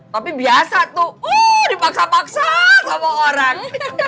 tapi biasa tuh oh dipaksa paksa sama orang